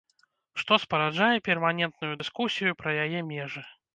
Што спараджае перманентную дыскусію пра яе межы.